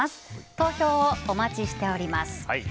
投票をお待ちしております。